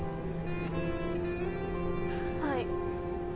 はい。